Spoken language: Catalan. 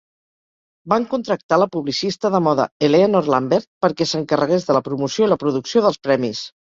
Van contractar la publicista de moda Eleanor Lambert perquè s'encarregués de la promoció i la producció dels premis.